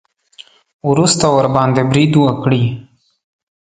وروسته ورباندې برید وکړي.